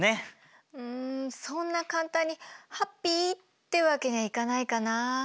うんそんな簡単にハッピーってわけにはいかないかな。